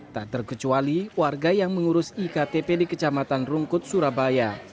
tak terkecuali warga yang mengurus iktp di kecamatan rungkut surabaya